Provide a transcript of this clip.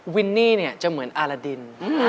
วินนี่เนี่ยจะเหมือนอารดิน